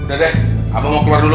udah deh abang mau keluar dulu